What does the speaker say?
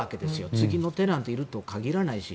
次のテナントがいるとは限らないし。